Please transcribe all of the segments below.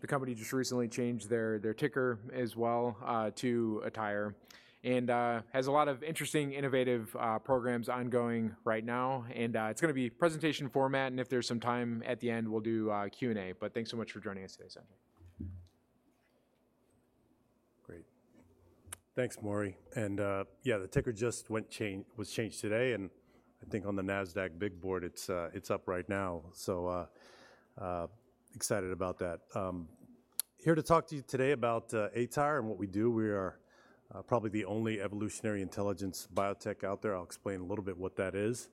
The company just recently changed their ticker as well to ATYR, and has a lot of interesting, innovative programs ongoing right now. It's gonna be presentation format, and if there's some time at the end, we'll do Q&A, but thanks so much for joining us today, Sanjay. Great. Thanks, Maury. And, yeah, the ticker just was changed today, and I think on the Nasdaq big board, it's up right now, so excited about that. Here to talk to you today about aTyr and what we do. We are probably the only evolutionary intelligence biotech out there. I'll explain a little bit what that is,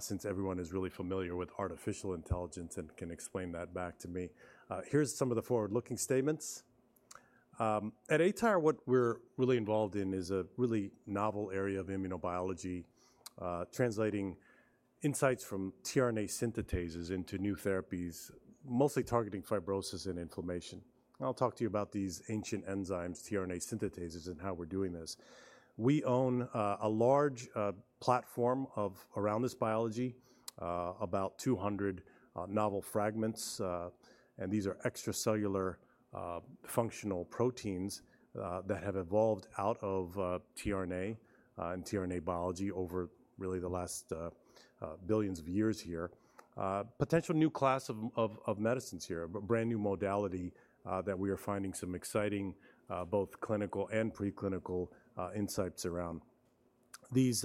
since everyone is really familiar with artificial intelligence and can explain that back to me. Here's some of the forward-looking statements. At aTyr, what we're really involved in is a really novel area of immunobiology, translating insights from tRNA synthetases into new therapies, mostly targeting fibrosis and inflammation. I'll talk to you about these ancient enzymes, tRNA synthetases, and how we're doing this. We own a large platform of around this biology, about 200 novel fragments, and these are extracellular functional proteins that have evolved out of tRNA and tRNA biology over really the last billions of years here. Potential new class of medicines here, a brand new modality that we are finding some exciting both clinical and preclinical insights around. These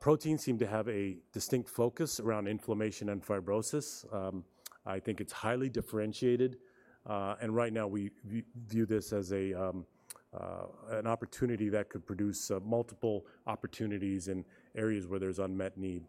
proteins seem to have a distinct focus around inflammation and fibrosis. I think it's highly differentiated, and right now we view this as an opportunity that could produce multiple opportunities in areas where there's unmet need.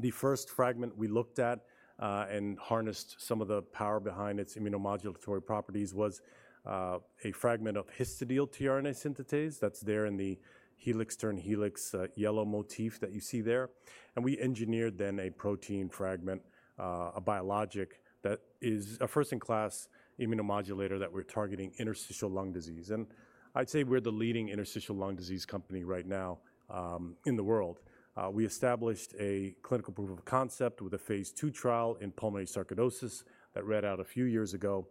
The first fragment we looked at, and harnessed some of the power behind its immunomodulatory properties was, a fragment of histidyl-tRNA synthetase that's there in the helix-turn-helix, yellow motif that you see there, and we engineered then a protein fragment, a biologic that is a first-in-class immunomodulator that we're targeting interstitial lung disease, and I'd say we're the leading interstitial lung disease company right now, in the world. We established a clinical proof of concept with a phase 2 trial in pulmonary sarcoidosis that read out a few years ago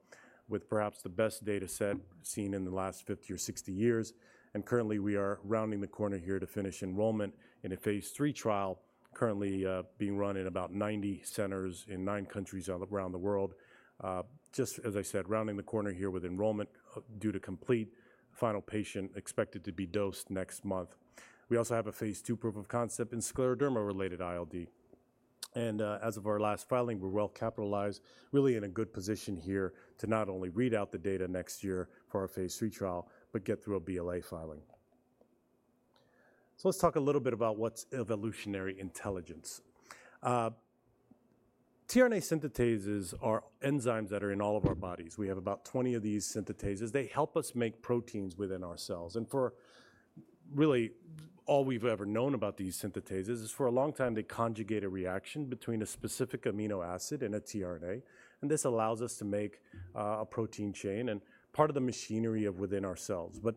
with perhaps the best data set seen in the last 50 or 60 years, and currently, we are rounding the corner here to finish enrollment in a phase 3 trial, currently, being run in about 90 centers in nine countries all around the world. Just as I said, rounding the corner here with enrollment, due to complete, final patient expected to be dosed next month. We also have a phase 2 proof of concept in scleroderma-related ILD. As of our last filing, we're well capitalized, really in a good position here to not only read out the data next year for our phase 3 trial, but get through a BLA filing. So let's talk a little bit about what's evolutionary intelligence. tRNA synthetases are enzymes that are in all of our bodies. We have about 20 of these synthetases. They help us make proteins within our cells, and for really all we've ever known about these synthetases is for a long time, they conjugate a reaction between a specific amino acid and a tRNA, and this allows us to make a protein chain and part of the machinery of within our cells. But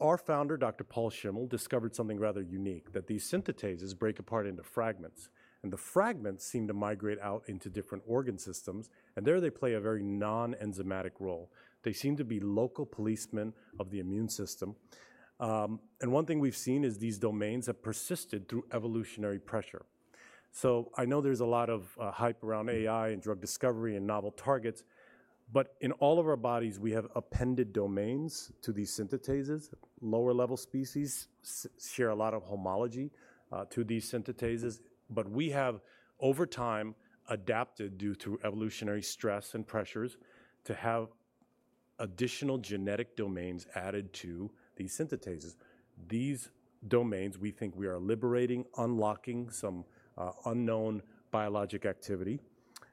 our founder, Dr. Paul Schimmel, discovered something rather unique, that these synthetases break apart into fragments, and the fragments seem to migrate out into different organ systems, and there they play a very non-enzymatic role. They seem to be local policemen of the immune system. And one thing we've seen is these domains have persisted through evolutionary pressure. So I know there's a lot of hype around AI and drug discovery and novel targets, but in all of our bodies, we have appended domains to these synthetases. Lower level species share a lot of homology to these synthetases, but we have, over time, adapted due to evolutionary stress and pressures, to have additional genetic domains added to these synthetases. These domains, we think we are liberating, unlocking some unknown biologic activity,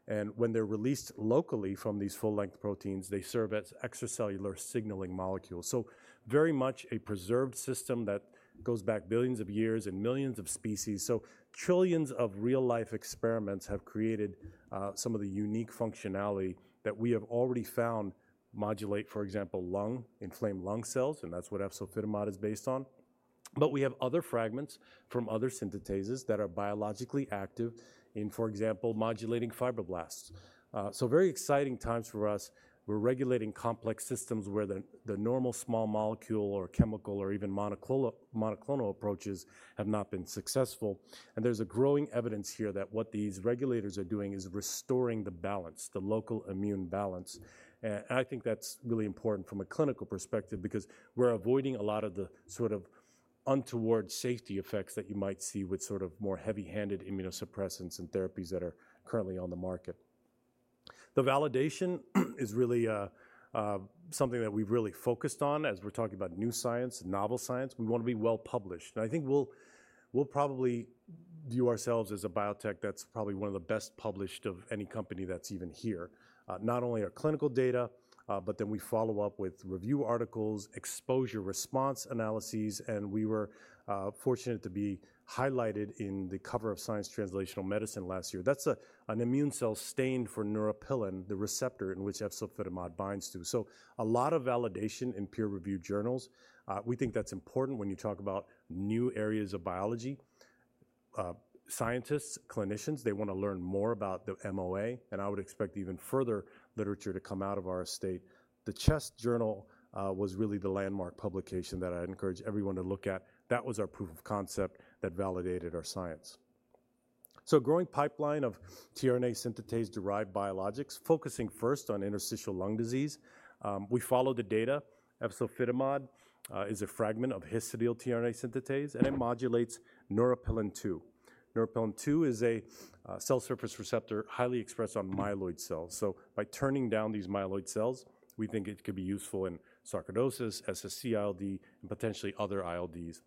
and when they're released locally from these full-length proteins, they serve as extracellular signaling molecules. So very much a preserved system that goes back billions of years and millions of species. So trillions of real-life experiments have created some of the unique functionality that we have already found modulate, for example, lung, inflamed lung cells, and that's what efzofitimod is based on. But we have other fragments from other synthetases that are biologically active in, for example, modulating fibroblasts. So very exciting times for us. We're regulating complex systems where the normal small molecule or chemical or even monoclonal approaches have not been successful, and there's a growing evidence here that what these regulators are doing is restoring the balance, the local immune balance. I think that's really important from a clinical perspective because we're avoiding a lot of the sort of untoward safety effects that you might see with sort of more heavy-handed immunosuppressants and therapies that are currently on the market. The validation is really something that we've really focused on. As we're talking about new science and novel science, we wanna be well-published, and I think we'll probably view ourselves as a biotech that's probably one of the best published of any company that's even here. Not only our clinical data, but then we follow up with review articles, exposure response analyses, and we were fortunate to be highlighted on the cover of Science Translational Medicine last year. That's an immune cell stained for neuropilin, the receptor in which efzofitimod binds to. So a lot of validation in peer-reviewed journals. We think that's important when you talk about new areas of biology. Scientists, clinicians, they want to learn more about the MOA, and I would expect even further literature to come out of our data. The Chest journal was really the landmark publication that I'd encourage everyone to look at. That was our proof of concept that validated our science. So growing pipeline of tRNA synthetase-derived biologics, focusing first on interstitial lung disease. We follow the data. Efzofitimod is a fragment of histidyl-tRNA synthetase, and it modulates neuropilin 2. Neuropilin 2 is a cell surface receptor highly expressed on myeloid cells. So by turning down these myeloid cells, we think it could be useful in sarcoidosis, SSC-ILD, and potentially other ILDs.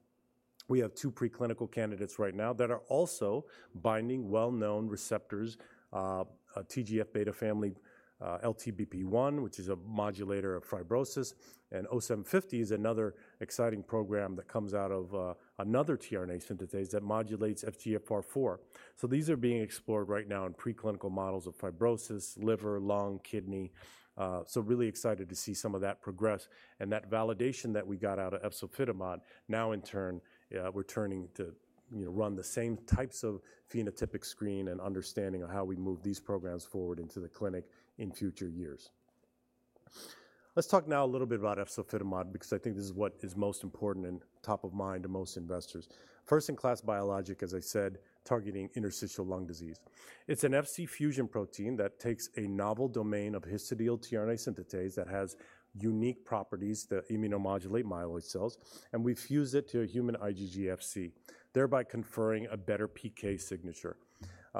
We have two preclinical candidates right now that are also binding well-known receptors, TGF-beta family, LTBP1, which is a modulator of fibrosis, and O750 is another exciting program that comes out of another tRNA synthetase that modulates FGFR4. So these are being explored right now in preclinical models of fibrosis, liver, lung, kidney. So really excited to see some of that progress and that validation that we got out of efzofitimod. Now, in turn, we're turning to, you know, run the same types of phenotypic screen and understanding of how we move these programs forward into the clinic in future years. Let's talk now a little bit about efzofitimod, because I think this is what is most important and top of mind to most investors. First-in-class biologic, as I said, targeting interstitial lung disease. It's an Fc fusion protein that takes a novel domain of histidyl-tRNA synthetase that has unique properties that immunomodulate myeloid cells, and we fuse it to a human IgG Fc, thereby conferring a better PK signature.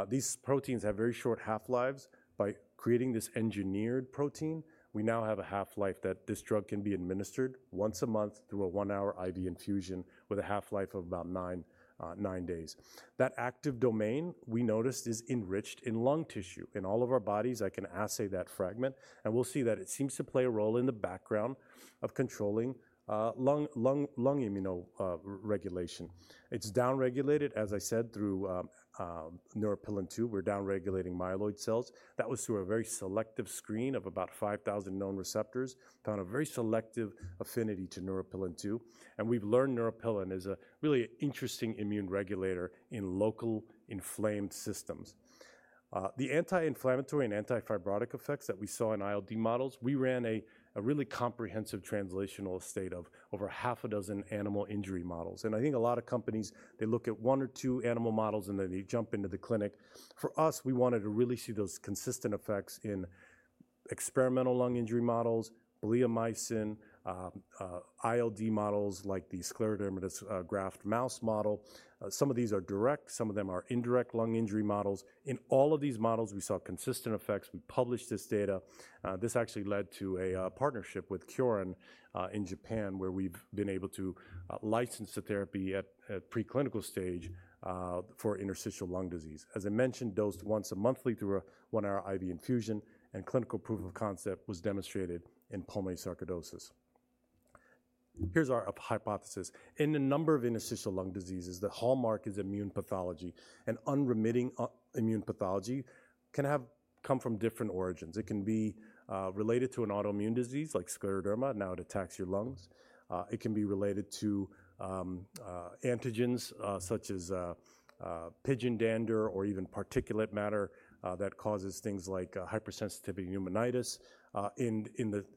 These proteins have very short half-lives. By creating this engineered protein, we now have a half-life that this drug can be administered once a month through a one-hour IV infusion with a half-life of about nine days. That active domain, we noticed, is enriched in lung tissue. In all of our bodies, I can assay that fragment, and we'll see that it seems to play a role in the background of controlling lung immune regulation. It's downregulated, as I said, through Neuropilin-2. We're downregulating myeloid cells. That was through a very selective screen of about 5,000 known receptors, found a very selective affinity to Neuropilin-2, and we've learned Neuropilin-2 is a really interesting immune regulator in local inflamed systems. The anti-inflammatory and anti-fibrotic effects that we saw in ILD models, we ran a really comprehensive translational study of over 6 animal injury models, and I think a lot of companies, they look at one or two animal models, and then they jump into the clinic. For us, we wanted to really see those consistent effects in experimental lung injury models, Bleomycin, ILD models, like the scleroderma, graft mouse model. Some of these are direct, some of them are indirect lung injury models. In all of these models, we saw consistent effects. We published this data. This actually led to a partnership with Kyorin in Japan, where we've been able to license the therapy at preclinical stage for interstitial lung disease. As I mentioned, dosed once a monthly through a one-hour IV infusion, and clinical proof of concept was demonstrated in Pulmonary Sarcoidosis. Here's our hypothesis. In a number of interstitial lung diseases, the hallmark is immune pathology, and unremitting immune pathology can have come from different origins. It can be related to an autoimmune disease like scleroderma, now it attacks your lungs. It can be related to antigens, such as pigeon dander or even particulate matter, that causes things like hypersensitivity pneumonitis. In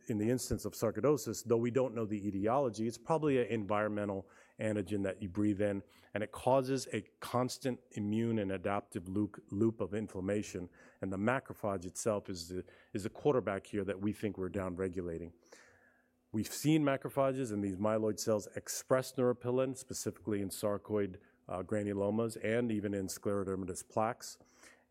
the instance of sarcoidosis, though we don't know the etiology, it's probably an environmental antigen that you breathe in, and it causes a constant immune and adaptive loop of inflammation, and the macrophage itself is the quarterback here that we think we're downregulating. We've seen macrophages in these myeloid cells express neuropilin, specifically in sarcoid granulomas and even in scleroderma plaques,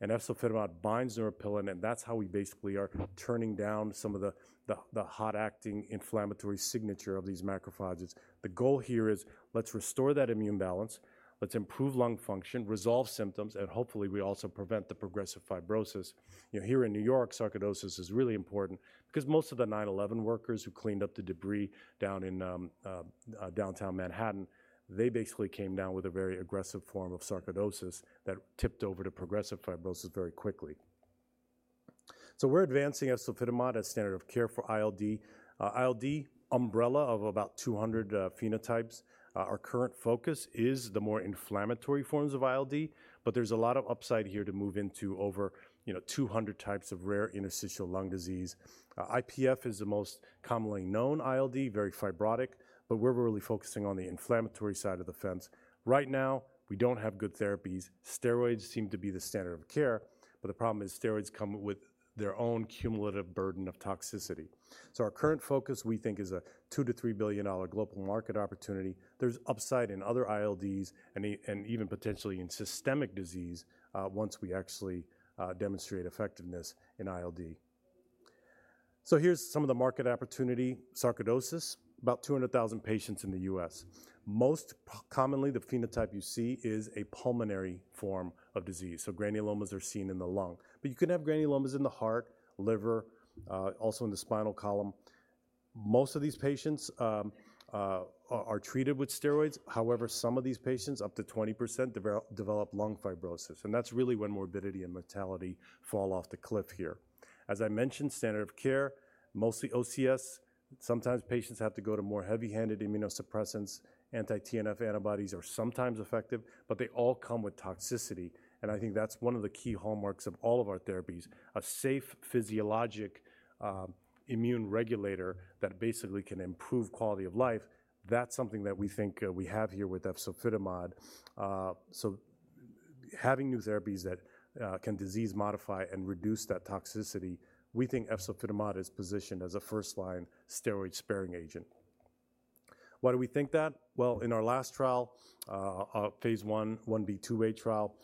and efzofitimod binds neuropilin, and that's how we basically are turning down some of the hot acting inflammatory signature of these macrophages. The goal here is let's restore that immune balance, let's improve lung function, resolve symptoms, and hopefully, we also prevent the progressive fibrosis. You know, here in New York, sarcoidosis is really important because most of the 9/11 workers who cleaned up the debris down in, downtown Manhattan, they basically came down with a very aggressive form of sarcoidosis that tipped over to progressive fibrosis very quickly. So we're advancing efzofitimod as standard of care for ILD. ILD, umbrella of about 200 phenotypes. Our current focus is the more inflammatory forms of ILD, but there's a lot of upside here to move into over, you know, 200 types of rare interstitial lung disease. IPF is the most commonly known ILD, very fibrotic, but we're really focusing on the inflammatory side of the fence. Right now, we don't have good therapies. Steroids seem to be the standard of care, but the problem is steroids come with their own cumulative burden of toxicity. So our current focus, we think, is a $2 billion-$3 billion global market opportunity. There's upside in other ILDs and and even potentially in systemic disease, once we actually, demonstrate effectiveness in ILD. So here's some of the market opportunity. Sarcoidosis, about 200,000 patients in the U.S. Most commonly, the phenotype you see is a pulmonary form of disease, so granulomas are seen in the lung. But you can have granulomas in the heart, liver, also in the spinal column. Most of these patients, are treated with steroids. However, some of these patients, up to 20%, develop lung fibrosis, and that's really when morbidity and mortality fall off the cliff here. As I mentioned, standard of care, mostly OCS. Sometimes patients have to go to more heavy-handed immunosuppressants. Anti-TNF antibodies are sometimes effective, but they all come with toxicity, and I think that's one of the key hallmarks of all of our therapies. A safe, physiologic, immune regulator that basically can improve quality of life, that's something that we think we have here with efzofitimod. Having new therapies that can disease modify and reduce that toxicity, we think efzofitimod is positioned as a first-line steroid-sparing agent. Why do we think that? Well, in our last trial, phase 1, 1b/2a trial,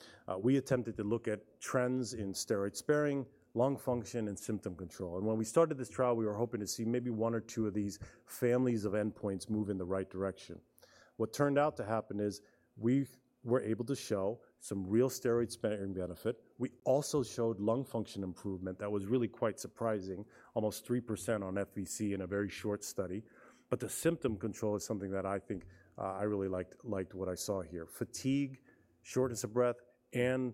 we attempted to look at trends in steroid sparing, lung function, and symptom control. When we started this trial, we were hoping to see maybe one or two of these families of endpoints move in the right direction. What turned out to happen is we were able to show some real steroid-sparing benefit. We also showed lung function improvement that was really quite surprising, almost 3% on FVC in a very short study. But the symptom control is something that I think, I really liked, liked what I saw here. Fatigue, shortness of breath, and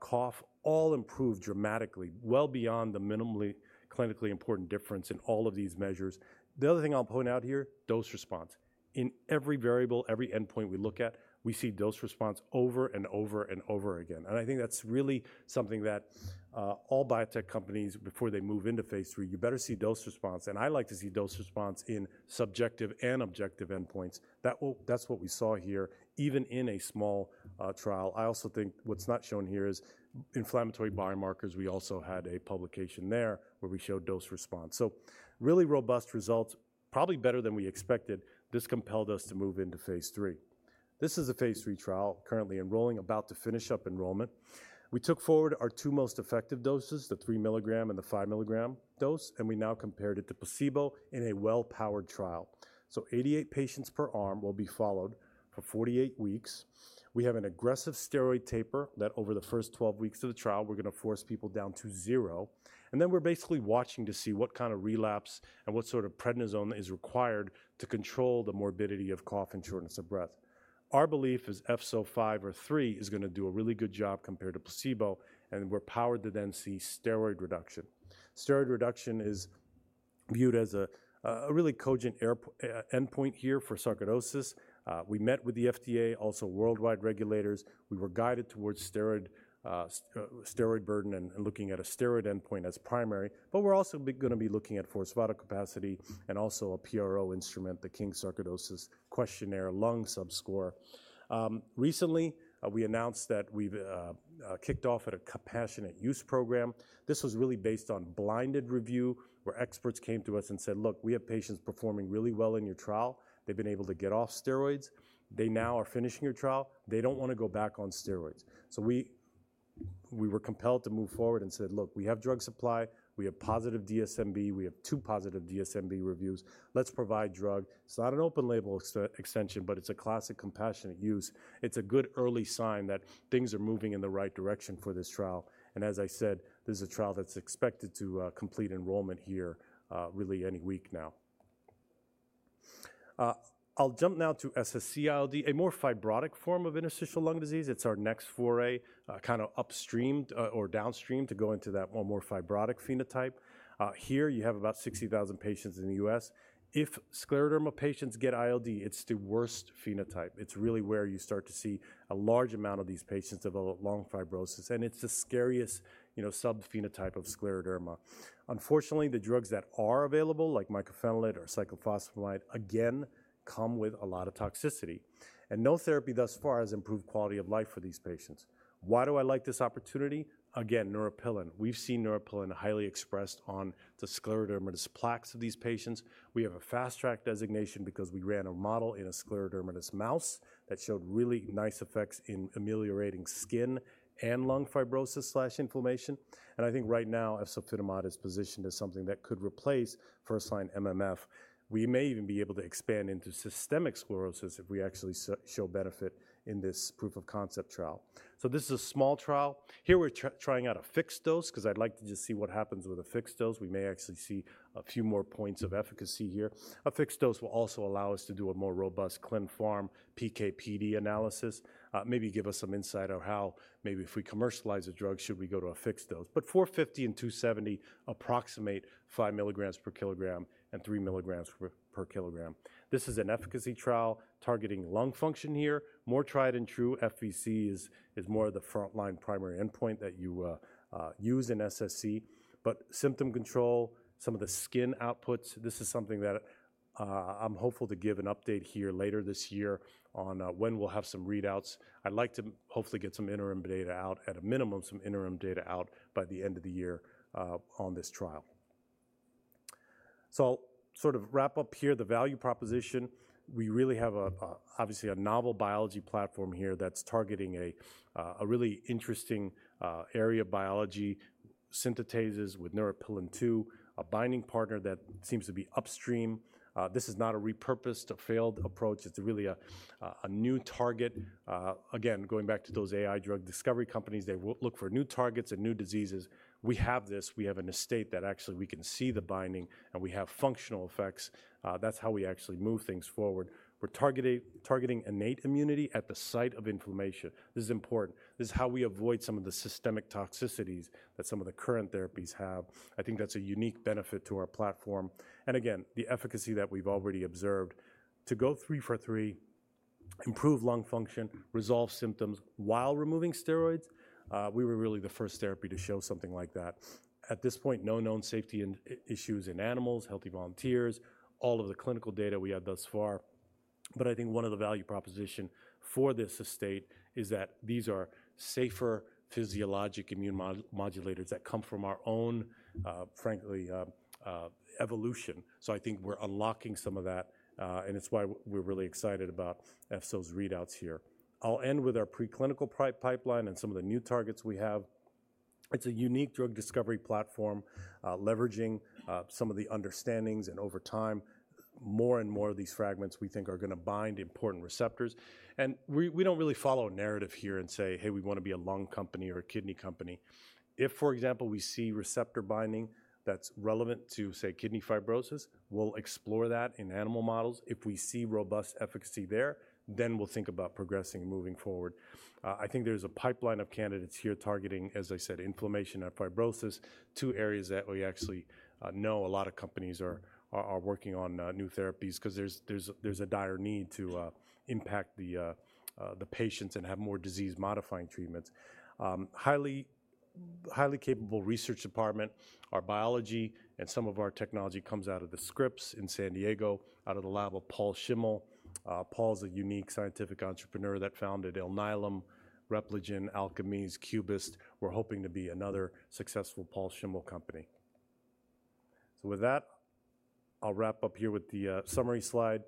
cough all improved dramatically, well beyond the minimally clinically important difference in all of these measures. The other thing I'll point out here, dose response. In every variable, every endpoint we look at, we see dose response over, and over, and over again, and I think that's really something that all biotech companies, before they move into phase 3, you better see dose response, and I like to see dose response in subjective and objective endpoints. That's what we saw here, even in a small trial. I also think what's not shown here is inflammatory biomarkers. We also had a publication there where we showed dose response. So really robust results, probably better than we expected. This compelled us to move into phase 3. This is a phase 3 trial, currently enrolling, about to finish up enrollment. We took forward our two most effective doses, the 3 mg and the 5 mg dose, and we now compared it to placebo in a well-powered trial. So 88 patients per arm will be followed for 48 weeks. We have an aggressive steroid taper that over the first 12 weeks of the trial, we're gonna force people down to zero, and then we're basically watching to see what kind of relapse and what sort of Prednisone is required to control the morbidity of cough and shortness of breath. Our belief is efzofitimod is gonna do a really good job compared to placebo, and we're powered to then see steroid reduction. Steroid reduction is viewed as a really cogent endpoint here for sarcoidosis. We met with the FDA, also worldwide regulators. We were guided towards steroid burden and looking at a steroid endpoint as primary, but we're also gonna be looking at forced vital capacity and also a PRO instrument, the King's Sarcoidosis Questionnaire lung subscore. Recently, we announced that we've kicked off a compassionate use program. This was really based on blinded review, where experts came to us and said: "Look, we have patients performing really well in your trial. They've been able to get off steroids. They now are finishing your trial. They don't want to go back on steroids." So we, we were compelled to move forward and said: "Look, we have drug supply. We have positive DSMB. We have two positive DSMB reviews. Let's provide drug." It's not an open label extension, but it's a classic compassionate use. It's a good early sign that things are moving in the right direction for this trial, and as I said, this is a trial that's expected to complete enrollment here, really any week now. I'll jump now to SSC-ILD, a more fibrotic form of interstitial lung disease. It's our next foray, kind of upstreamed, or downstream to go into that one more fibrotic phenotype. Here you have about 60,000 patients in the US. If scleroderma patients get ILD, it's the worst phenotype. It's really where you start to see a large amount of these patients develop lung fibrosis, and it's the scariest, you know, subphenotype of scleroderma. Unfortunately, the drugs that are available, like mycophenolate or cyclophosphamide, again, come with a lot of toxicity, and no therapy thus far has improved quality of life for these patients. Why do I like this opportunity? Again, neuropilin. We've seen neuropilin highly expressed on the scleroderma plaques of these patients. We have a fast track designation because we ran a model in a scleroderma mouse that showed really nice effects in ameliorating skin and lung fibrosis/inflammation, and I think right now, efzofitimod is positioned as something that could replace first-line MMF. We may even be able to expand into systemic sclerosis if we actually show benefit in this proof of concept trial. So this is a small trial. Here we're trying out a fixed dose because I'd like to just see what happens with a fixed dose. We may actually see a few more points of efficacy here. A fixed dose will also allow us to do a more robust clin pharm PK/PD analysis, maybe give us some insight on how maybe if we commercialize a drug, should we go to a fixed dose? But 450 and 270 approximate 5 mg/kg and 3 mg/kg. This is an efficacy trial targeting lung function here. More tried and true FVCs is more of the frontline primary endpoint that you use in SSC, but symptom control, some of the skin outputs, this is something that I'm hopeful to give an update here later this year on, when we'll have some readouts. I'd like to hopefully get some interim data out, at a minimum, some interim data out by the end of the year, on this trial. So I'll sort of wrap up here the value proposition. We really have a, a, obviously, a novel biology platform here that's targeting a, a really interesting, area of biology, synthetases with Neuropilin-2, a binding partner that seems to be upstream. This is not a repurposed or failed approach. It's really a new target. Again, going back to those AI drug discovery companies, they look for new targets and new diseases. We have this. We have an asset that actually we can see the binding, and we have functional effects. That's how we actually move things forward. We're targeting innate immunity at the site of inflammation. This is important. This is how we avoid some of the systemic toxicities that some of the current therapies have. I think that's a unique benefit to our platform, and again, the efficacy that we've already observed. To go three for three, improve lung function, resolve symptoms while removing steroids. We were really the first therapy to show something like that. At this point, no known safety issues in animals, healthy volunteers, all of the clinical data we have thus far. But I think one of the value proposition for this asset is that these are safer physiologic immune modulators that come from our own evolution. So I think we're unlocking some of that, and it's why we're really excited about efzo's readouts here. I'll end with our preclinical pipeline and some of the new targets we have. It's a unique drug discovery platform, leveraging some of the understandings, and over time, more and more of these fragments we think are gonna bind important receptors. We don't really follow a narrative here and say, "Hey, we wanna be a lung company or a kidney company." If, for example, we see receptor binding that's relevant to, say, kidney fibrosis, we'll explore that in animal models. If we see robust efficacy there, then we'll think about progressing and moving forward. I think there's a pipeline of candidates here targeting, as I said, inflammation and fibrosis, two areas that we actually know a lot of companies are working on new therapies because there's a dire need to impact the patients and have more disease-modifying treatments. Highly capable research department. Our biology and some of our technology comes out of the Scripps in San Diego, out of the lab of Paul Schimmel. Paul's a unique scientific entrepreneur that founded Alnylam, Repligen, Alkermes, Cubist. We're hoping to be another successful Paul Schimmel company. So with that, I'll wrap up here with the summary slide.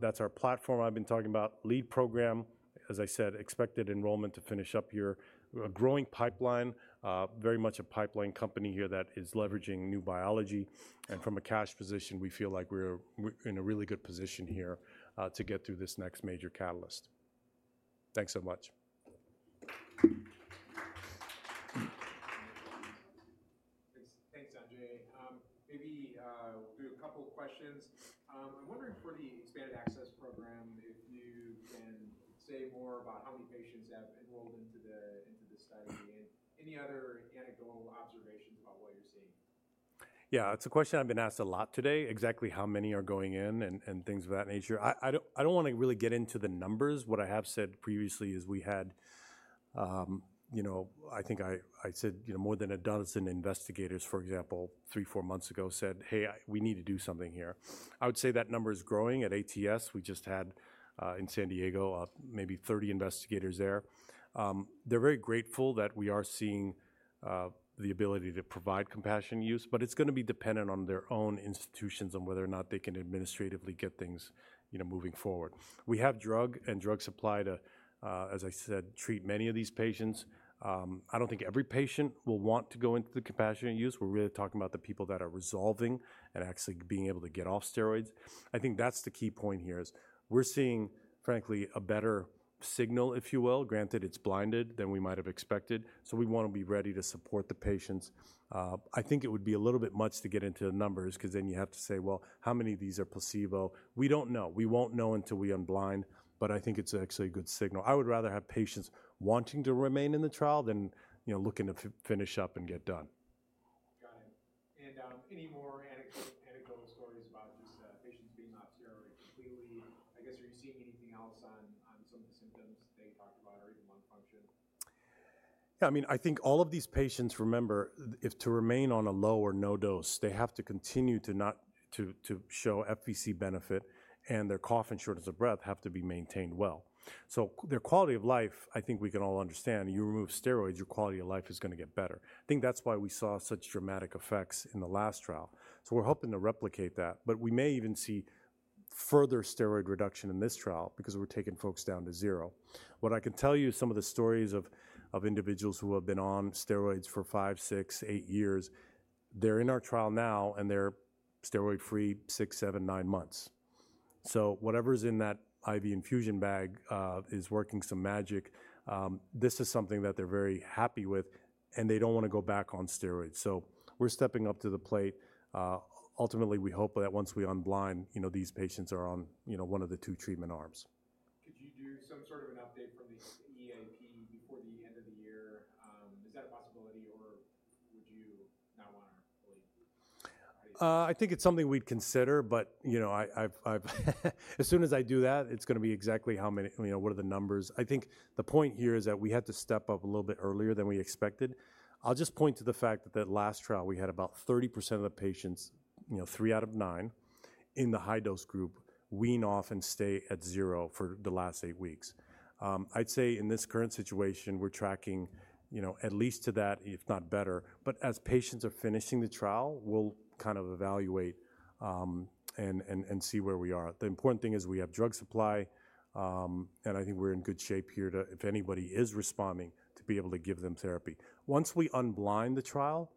That's our platform I've been talking about. Lead program, as I said, expected enrollment to finish up here. A growing pipeline, very much a pipeline company here that is leveraging new biology. And from a cash position, we feel like we're, we're in a really good position here to get through this next major catalyst. Thanks so much. Thanks. Thanks, Sanjay. Maybe we'll do a couple questions. I'm wondering for the expanded access program, if you can say more about how many patients have enrolled into the study? And any other anecdotal observations about what you're seeing? Yeah, it's a question I've been asked a lot today, exactly how many are going in and things of that nature. I don't want to really get into the numbers. What I have said previously is we had, you know. I think I said, you know, more than a dozen investigators, for example, 3, 4 months ago said, "Hey, we need to do something here." I would say that number is growing. At ATS, we just had in San Diego maybe 30 investigators there. They're very grateful that we are seeing the ability to provide compassionate use, but it's gonna be dependent on their own institutions on whether or not they can administratively get things, you know, moving forward. We have drug and drug supply to, as I said, treat many of these patients. I don't think every patient will want to go into the compassionate use. We're really talking about the people that are resolving and actually being able to get off steroids. I think that's the key point here is we're seeing, frankly, a better signal, if you will, granted it's blinded, than we might have expected, so we wanna be ready to support the patients. I think it would be a little bit much to get into the numbers because then you have to say, "Well, how many of these are placebo?" We don't know. We won't know until we unblind, but I think it's actually a good signal. I would rather have patients wanting to remain in the trial than, you know, looking to finish up and get done. Got it. And, any more anecdotal stories about just patients being off steroids completely? I guess, are you seeing anything else on some of the symptoms they talked about or even lung function? Yeah, I mean, I think all of these patients, remember, if to remain on a low or no dose, they have to continue to show FVC benefit, and their cough and shortness of breath have to be maintained well. So their quality of life, I think we can all understand, you remove steroids, your quality of life is gonna get better. I think that's why we saw such dramatic effects in the last trial, so we're hoping to replicate that. But we may even see further steroid reduction in this trial because we're taking folks down to zero. What I can tell you, some of the stories of individuals who have been on steroids for five, six, eight years, they're in our trial now, and they're steroid-free six, seven, nine months. So whatever's in that IV infusion bag is working some magic. This is something that they're very happy with, and they don't wanna go back on steroids. So we're stepping up to the plate. Ultimately, we hope that once we unblind, you know, these patients are on, you know, one of the two treatment arms. Could you do some sort of an update from the EAP before the end of the year? Is that a possibility, or would you not want to release? I think it's something we'd consider, but, you know, I, as soon as I do that, it's gonna be exactly how many, you know, what are the numbers? I think the point here is that we had to step up a little bit earlier than we expected. I'll just point to the fact that that last trial, we had about 30% of the patients, you know, 3 out of 9, in the high-dose group, wean off and stay at zero for the last 8 weeks. I'd say in this current situation, we're tracking, you know, at least to that, if not better, but as patients are finishing the trial, we'll kind of evaluate, and see where we are. The important thing is we have drug supply, and I think we're in good shape here to, if anybody is responding, to be able to give them therapy. Once we unblind the trial,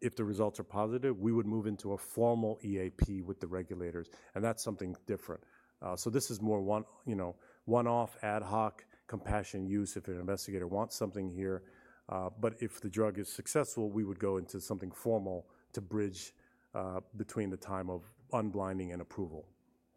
if the results are positive, we would move into a formal EAP with the regulators, and that's something different. So this is more one, you know, one-off, ad hoc, compassionate use if an investigator wants something here, but if the drug is successful, we would go into something formal to bridge between the time of unblinding and approval.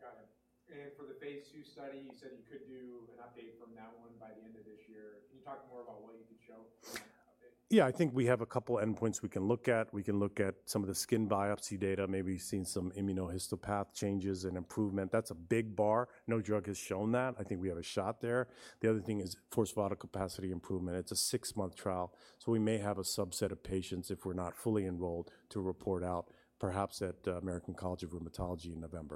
Got it. And for the Phase 2 study, you said you could do an update from that one by the end of this year. Can you talk more about what you could show in that update? Yeah, I think we have a couple endpoints we can look at. We can look at some of the skin biopsy data, maybe seen some immunohistopath changes and improvement. That's a big bar. No drug has shown that. I think we have a shot there. The other thing is forced vital capacity improvement. It's a six-month trial, so we may have a subset of patients, if we're not fully enrolled, to report out, perhaps at American College of Rheumatology in November.